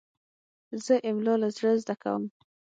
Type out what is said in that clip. زه املا له زړه زده کوم.